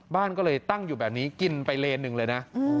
บ้านก็เลยตั้งอยู่แบบนี้กินไปเลนหนึ่งเลยนะ